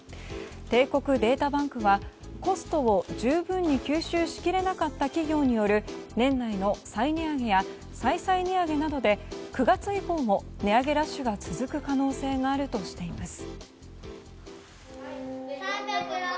帝国データバンクはコストを十分に吸収しきれなかった企業による年内の再値上げや再々値上げなどで９月以降も値上げラッシュが続く可能性があるとしています。